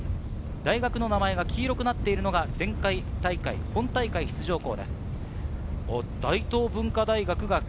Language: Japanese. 大学の名前が黄色くなっているのは前回大会、本大会出場校です。